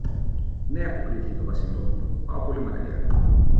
Ναι, αποκρίθηκε το Βασιλόπουλο, πάω πολύ μακριά.